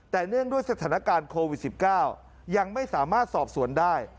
แต่เนื่องด้วยสถานการณ์โควิด๑๙ยังไม่สามารถสอบสวนได้